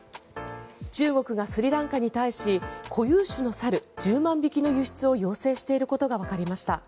中国がスリランカに対し固有種の猿１０万匹の輸出を要請していることがわかりました。